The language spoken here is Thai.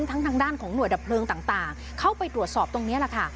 ทางด้านของหน่วยดับเพลิงต่างเข้าไปตรวจสอบตรงนี้แหละค่ะ